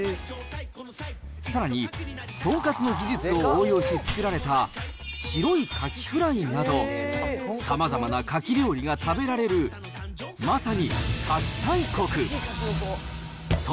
さらに、トンカツの技術を応用し作られた白いカキフライなど、さまざまなカキ料理が食べられる、まさにカキ大国。